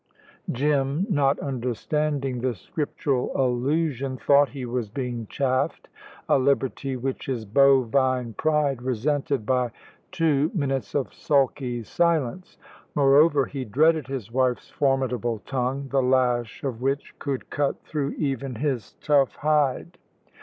Jim, not understanding the scriptural allusion, thought he was being chaffed, a liberty which his bovine pride resented by two minutes of sulky silence. Moreover, he dreaded his wife's formidable tongue, the lash of which could cut through even his tough hide.